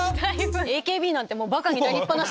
ＡＫＢなんてバカになりっ放し。